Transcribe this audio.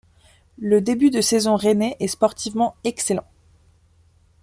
Le début de saison rennais est sportivement excellent.